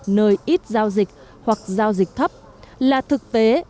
nơi ít giao dịch hoặc giao dịch thấp là thực tế